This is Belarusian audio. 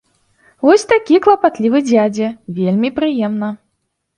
Вось такі клапатлівы дзядзя, вельмі прыемна!